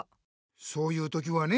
そういうときはね